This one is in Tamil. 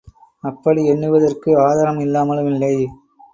அப்படி எண்ணுவதற்கு ஆதாரம் இல்லாமலும் இல்லை.